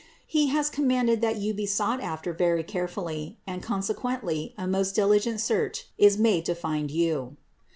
He has commanded that You be sought after very carefully and consequently a most dili gent search is being made to find You.